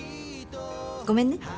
ごめんね。